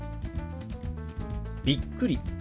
「びっくり」。